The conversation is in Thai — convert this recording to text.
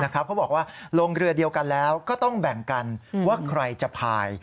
เขาบอกว่าลงเรือเดียวกันแล้วก็ต้องแบ่งกันว่าใครจะพาย